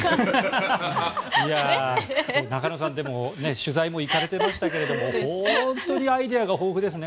中野さんでも取材も行かれていましたが本当にアイデアが豊富ですね